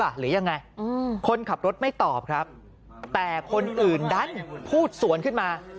หรือยังไงคนขับรถไม่ตอบครับแต่คนอื่นดันพูดสวนขึ้นมา